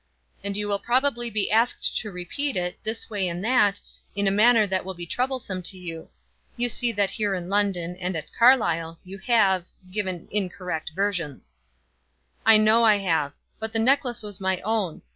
"And you will probably be asked to repeat it, this way and that, in a manner that will be troublesome to you. You see that here in London, and at Carlisle, you have given incorrect versions." "I know I have. But the necklace was my own.